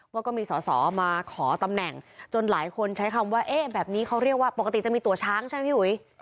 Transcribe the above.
ว่าก็มีสอสอมาขอตำแหน่งจนหลายคนใช้คำว่าเอ๊ะแบบนี้เขาเรียกว่าปกติจะมีตัวช้างใช่ไหมพี่อุ๋ย